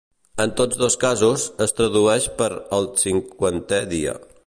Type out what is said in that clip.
En tots dos casos, es tradueix per ‘el cinquantè dia’.